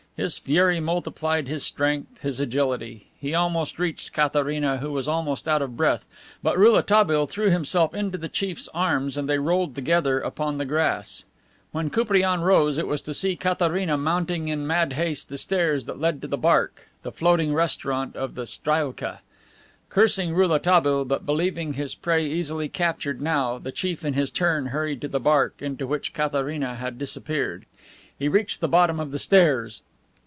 His fury multiplied his strength, his agility; he almost reached Katharina, who was almost out of breath, but Rouletabille threw himself into the Chief's arms and they rolled together upon the grass. When Koupriane rose, it was to see Katharina mounting in mad haste the stairs that led to the Barque, the floating restaurant of the Strielka. Cursing Rouletabille, but believing his prey easily captured now, the Chief in his turn hurried to the Barque, into which Katharina had disappeared. He reached the bottom of the stairs.